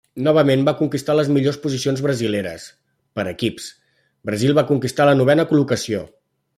Novament va conquistar les millors posicions brasileres: per equips, Brasil va conquistar la novena col·locació.